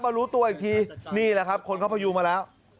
รู้ตัวอีกทีนี่แหละครับคนเขาพยุงมาแล้ว